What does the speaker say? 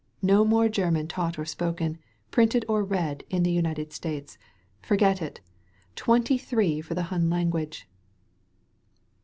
No more German taught or spoken, printed or read, in the United States. Forget it ! Twenty three for the Hun language